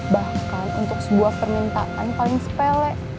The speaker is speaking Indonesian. bahkan untuk sebuah permintaan paling sepele